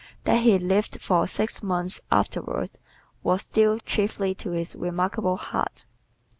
That he lived for six months afterward was due chiefly to his remarkable heart.